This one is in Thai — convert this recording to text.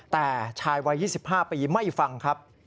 แต่ชายวัย๒๕ปีไม่ฟังครับ